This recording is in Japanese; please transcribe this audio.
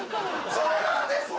それなんですね？